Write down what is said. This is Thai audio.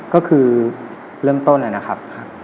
ก็คือเริ่มต้นนะครับ